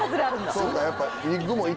そうかやっぱ。